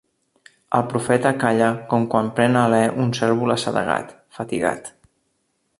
El Profeta calla com quan pren alè un cérvol assedegat, fatigat.